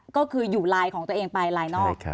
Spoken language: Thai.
ก็คืออยู่ลายของตัวเองไปลายนอก